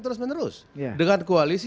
terus menerus dengan koalisi